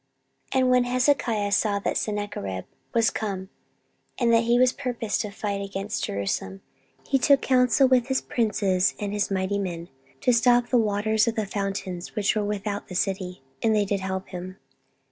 14:032:002 And when Hezekiah saw that Sennacherib was come, and that he was purposed to fight against Jerusalem, 14:032:003 He took counsel with his princes and his mighty men to stop the waters of the fountains which were without the city: and they did help him.